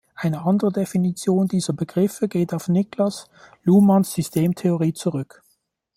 Eine andere Definition dieser Begriffe geht auf Niklas Luhmanns Systemtheorie zurück.